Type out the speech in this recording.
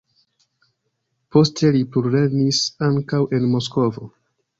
Poste li plulernis ankaŭ en Moskvo.